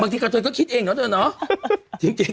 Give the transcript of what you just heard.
บางทีกัตถอยก็คิดเองเนาะจริงเนาะ